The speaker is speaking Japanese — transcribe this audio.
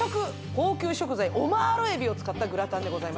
高級食材オマール海老を使ったグラタンでございます